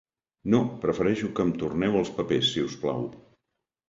No, prefereixo que em torneu els papers, si us plau.